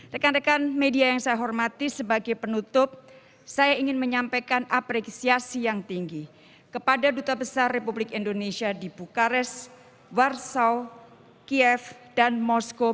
rekan rekan media yang saya hormati sebagai penutup saya ingin menyampaikan apresiasi yang tinggi kepada duta besar republik indonesia di bukares warsaw kiev dan moskow